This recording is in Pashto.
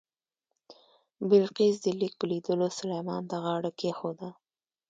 بلقیس د لیک په لیدلو سلیمان ته غاړه کېښوده.